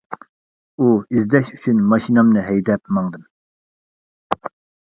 ئۇ ئىزدەش ئۈچۈن ماشىنامنى ھەيدە ماڭدىم.